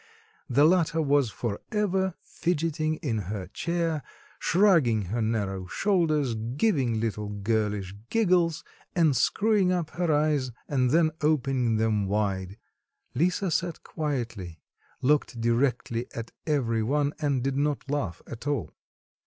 The latter was for ever fidgeting in her chair, shrugging her narrow shoulders, giving little girlish giggles, and screwing up her eyes and then opening them wide; Lisa sat quietly, looked directly at every one and did not laugh at all.